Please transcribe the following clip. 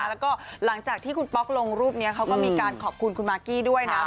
แล้วก็หลังจากที่คุณป๊อกลงรูปนี้เขาก็มีการขอบคุณคุณมากกี้ด้วยนะ